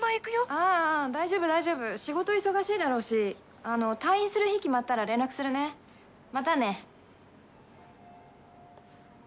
ああぁ大丈夫大丈夫仕事忙しいだろうしあの退院する日決まったら連絡するねまたね。